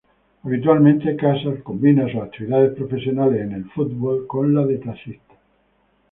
Habitualmente, Casas combina sus actividades profesionales en el fútbol con la de taxista.